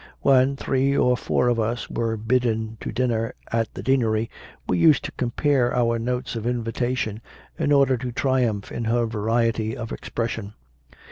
When three or four of us were bidden to dinner at the Deanery, we used to compare our notes of invitation in order to triumph in her variety of ex pression.